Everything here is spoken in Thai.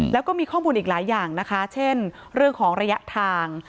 แล้วก็มีข้อมูลอีกหลายอย่างนะคะเช่นเรื่องของระยะทาง